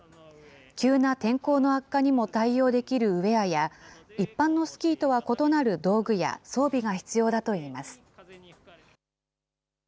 急な天候の悪化にも対応できるウエアや、一般のスキーとは異なる道具や装備が必要だといいます。